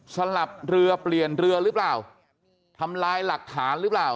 สลับเรือเปลี่ยนเรือหรือเปล่าทำลายหลักฐานหรือเปล่า